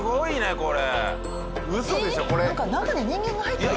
これ。